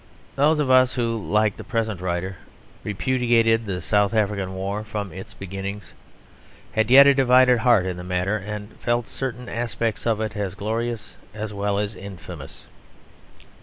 Those of us who, like the present writer, repudiated the South African war from its beginnings, had yet a divided heart in the matter, and felt certain aspects of it as glorious as well as infamous.